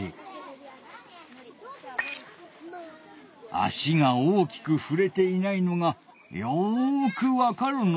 足が大きくふれていないのがよくわかるのう。